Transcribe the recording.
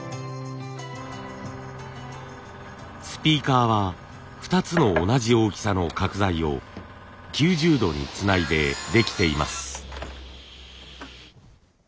スピーカーは２つの同じ大きさの角材を９０度につないでできています。